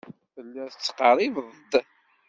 Telliḍ tettqerribeḍ-d.